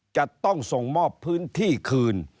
จะต้องส่งมอบพื้นที่คืน